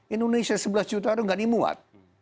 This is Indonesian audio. indonesia sebelas juta aduh gak dimuat